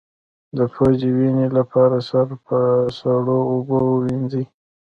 د پوزې وینې لپاره سر په سړو اوبو ووینځئ